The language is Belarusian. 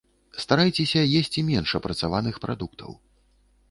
Старайцеся есці менш апрацаваных прадуктаў.